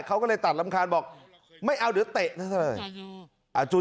เขาก็เลยตัดรำคาญบอกไม่เอาเดี๋ยวเตะซะเลย